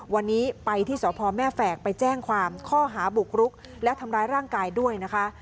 วันนี้ไปที่สพแม่แฝกไปแจ้งความข้อหาบุกรุกและทำร้ายร่างกายด้วยนะคะ